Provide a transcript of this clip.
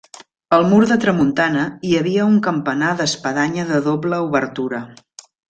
Al mur de tramuntana hi havia un campanar d'espadanya de doble obertura.